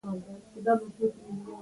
خپل قسمت سره دې جنګ دی مساپره